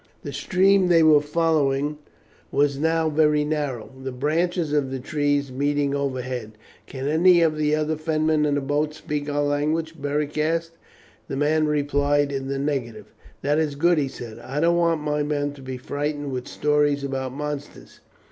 The stream they were following was now very narrow, the branches of the trees meeting overhead. "Can any of the other Fenmen in the boats speak our language?" Beric asked. The man replied in the negative. "That is good," he said; "I don't want my men to be frightened with stories about monsters.